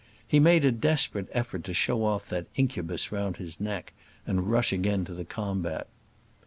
He made a desperate effort to throw off that incubus round his neck and rush again to the combat.